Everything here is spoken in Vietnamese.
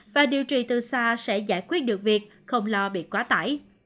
và điều trị từ xa sẽ giải quyết được việc không lo bị quá tải